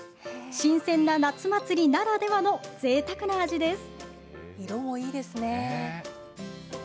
新鮮な夏祭りならではのぜいたくな味です。